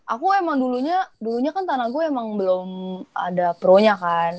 aku emang dulunya dulunya kan tanago emang belum ada peronya kan